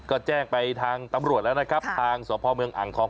ก็แจ้งไปทางตำรวจแล้วนะครับทางสพเมืองอ่างทอง